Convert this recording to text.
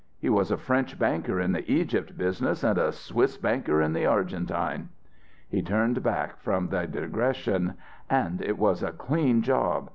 He was a French banker in the Egypt business and a Swiss banker in the Argentine." He turned back from the digression: "And it was a clean job.